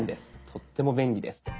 とっても便利です。